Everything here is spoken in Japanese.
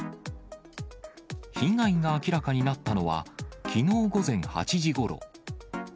被害が明らかになったのは、きのう午前８時ごろ。